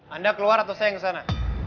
anda keluar atau saya yang kesana